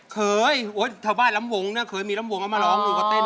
เคยร้องไหมเคยถ้าว่าลำวงเคยมีลำวงมาร้องหนูก็เต้น